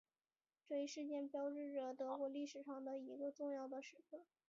这一事件标志着德国历史上一个重要的时刻。